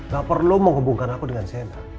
gak perlu menghubungkan aku dengan sena